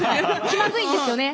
気まずいんですよね。